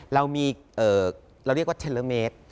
เรามีเราเรียกว่าเทลเมตร